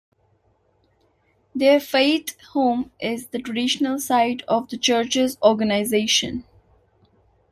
Their Fayette home is the traditional site of the church's organization.